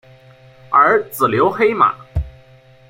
儿子刘黑马。